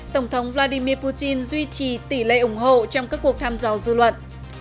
tổng thống vladimir putin duy trì tỷ lệ ủng hộ trong các cuộc thăm dò dư luận